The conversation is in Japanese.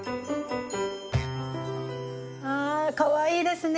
ああかわいいですね。